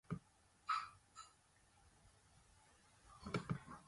ばらばらなんだーおもしろーい